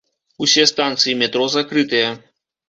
Усе станцыі метро закрытыя.